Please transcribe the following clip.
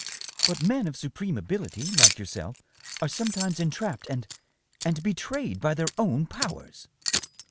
" But men of supreme ability, like yourself, are sometimes entrapped and .. and betrayed by their own powers."